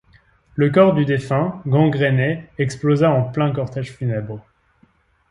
Le corps du défunt, gangrené explosa en plein cortège funèbre.